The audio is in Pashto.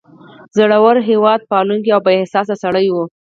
زړور، هیواد پالونکی او با احساسه سړی و.